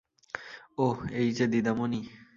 ওহ, এই যে দীদামণি।